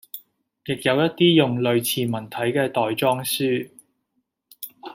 亦有一啲用類似文體嘅袋裝書